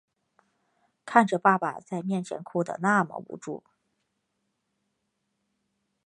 看着爸爸在面前哭的那么无助